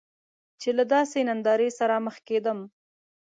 چې له داسې نندارې سره مخ کیدم.